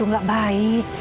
itu nggak baik